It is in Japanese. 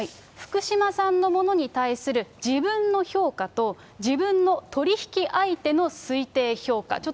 福島産のものに対する自分の評価と自分の取り引き相手の推定評価。